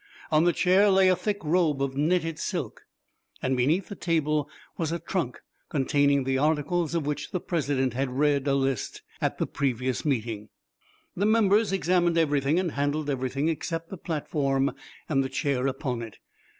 On the chair lay a thick robe of knitted silk. Beneath the table was a trunk containing the articles of which the President had read a list at the previous meeting. The members examined everything and handled everything except the platform and the chair upon it.